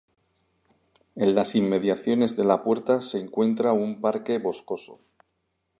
En las inmediaciones de la puerta se encuentra un parque boscoso.